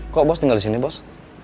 kok bos tinggal disini bos